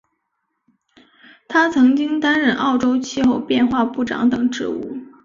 他曾经担任澳洲气候变化部长等职务。